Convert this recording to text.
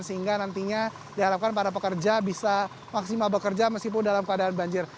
sehingga nantinya diharapkan para pekerja bisa maksimal bekerja meskipun dalam keadaan banjir